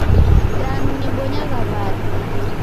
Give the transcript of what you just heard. Danu nibonyagha wada?